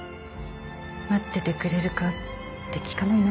待っててくれるかって聞かないの？